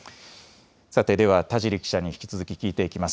さて、では田尻記者に引き続き聞いていきます。